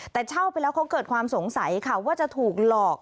แต่เช่าไปแล้วเขาเกิดความสงสัยค่ะว่าจะถูกหลอก